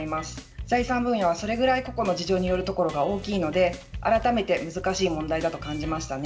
財産分与はそれぐらい個々の事情によるところが大きいので改めて難しい問題だと感じましたね。